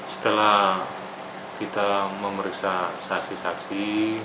setelah kita memeriksa saksi saksi